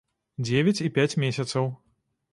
Дзевяць і пяць месяцаў.